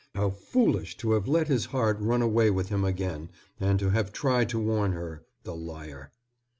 How foolish to have let his heart run away with him again and to have tried to warn her, the liar.